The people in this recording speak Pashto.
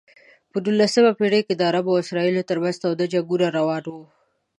په نولسمه پېړۍ کې د عربو او اسرائیلو ترمنځ تاوده جنګونه روان و.